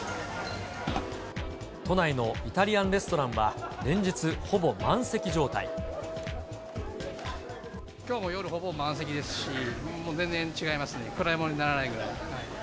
都内のイタリアンレストランきょうも夜、ほぼ満席ですし、もう全然違いますね、比べものにならないぐらい。